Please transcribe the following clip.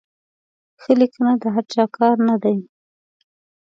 ښه لیکنه د هر چا کار نه دی.